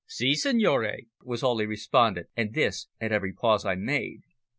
"Si, signore," was all he responded, and this at every pause I made.